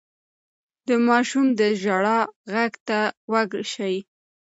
د ماشوم د ژړا غږ ته غوږ شئ.